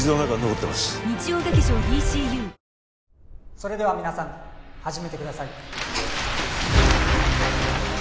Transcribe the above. それでは皆さん始めてください